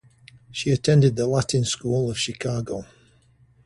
She attended the Latin School of Chicago.